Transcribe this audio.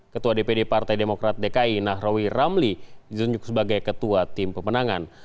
ketua dpd partai demokrat dki nahrawi ramli ditunjuk sebagai ketua tim pemenangan